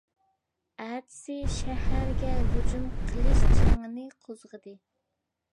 ئەتىسى شەھەرگە ھۇجۇم قىلىش جېڭىنى قوزغىدى.